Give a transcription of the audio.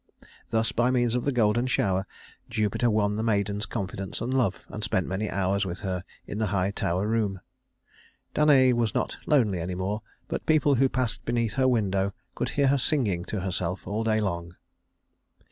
Thus by means of the golden shower Jupiter won the maiden's confidence and love, and spent many hours with her in the high tower room. Danaë was not lonely any more, but people who passed beneath her window could hear her singing to herself all day long.